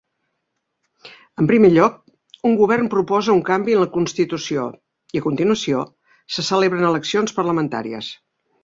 En primer lloc, un govern proposa un canvi en la constitució i, a continuació, se celebren eleccions parlamentàries.